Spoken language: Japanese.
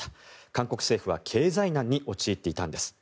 韓国政府は経済難に陥っていたんです。